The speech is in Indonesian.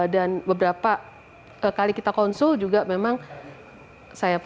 dan beberapa kali kita konsul juga memang saya punya case itu udah tidak bisa untuk dipertahankan lagi gitu